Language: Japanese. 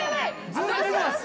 ずっと見てます。